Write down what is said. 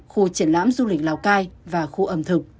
khu triển lãm du lịch lào cai và khu ẩm thực